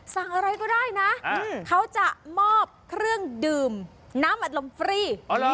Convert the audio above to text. อะไรก็ได้นะเขาจะมอบเครื่องดื่มน้ำอัดลมฟรี